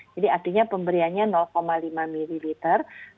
jadi artinya pemberiannya lima mililiter